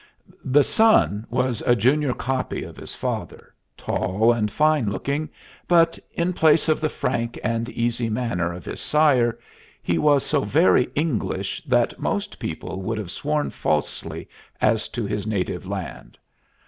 The son was a junior copy of his father, tall and fine looking, but, in place of the frank and easy manner of his sire, he was so very English that most people would have sworn falsely as to his native land.